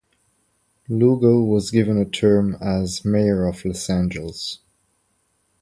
Lugo was given a term as Mayor of Los Angeles.